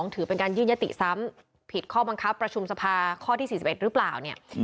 ถือเป็นการยื่นยติซ้ำผิดข้อบังคับประชุมสภาข้อที่๔๑หรือเปล่าเนี่ย